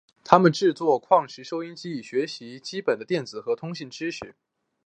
他们制作矿石收音机以学习基本的电子和通信知识。